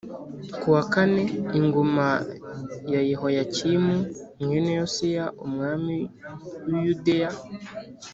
kuwa kane, ingoma ya Yehoyakimu mwene Yosiya umwami wi yudeya.